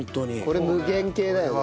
これ無限系だよね。